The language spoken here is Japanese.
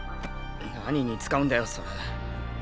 何に使うんだよそれ。